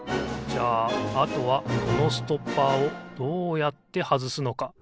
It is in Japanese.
じゃああとはこのストッパーをどうやってはずすのか？